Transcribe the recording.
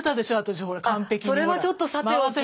それはちょっとさておき。